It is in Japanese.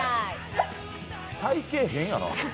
体形、変やな。